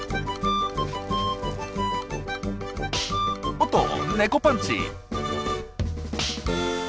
おっと猫パンチ！